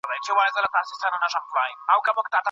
که د اوبو فوارې فعالې وي، نو پارکونه نه مړاوي کیږي.